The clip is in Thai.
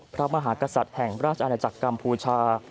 พระมหากษัตริย์แห่งราชอาณาจักรกัมพูชา